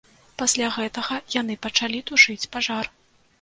Пасля гэтага яны пачалі тушыць пажар.